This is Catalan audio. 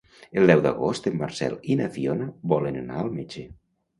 El deu d'agost en Marcel i na Fiona volen anar al metge.